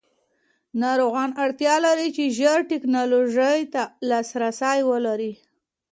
ناروغان اړتیا لري چې ژر ټېکنالوژۍ ته لاسرسی ولري.